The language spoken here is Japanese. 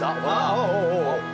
おおおお。